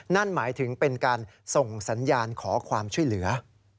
นั่นหมายถึงเป็นการส่งสัญญาณขอความช่วยเหลือ